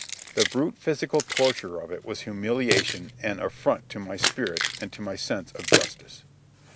The brute physical torture of it was humiliation and affront to my spirit and to my sense of justice.